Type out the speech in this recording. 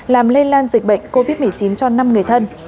làm lây lan dịch bệnh covid một mươi chín cho năm người thân